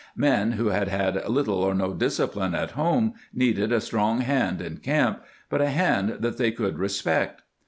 ^ Men who had had little or no discipline at' home needed a strong hand in camp, but a handj that they could respect.